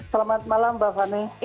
selamat malam mbak fadli